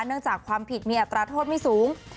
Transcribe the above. จากความผิดมีอัตราโทษไม่สูง